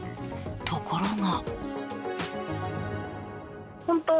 ところが。